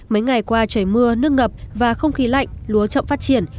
mấy ngày qua trời mưa nước ngập và không khí lạnh lúa chậm phát triển